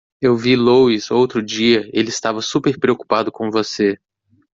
Eu vi Louis outro dia, ele estava super preocupado com você.